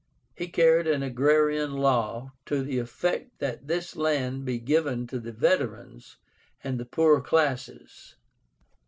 carried an agrarian law, to the effect that this land be given to the veterans and the poorer classes.